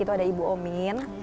itu ada ibu omin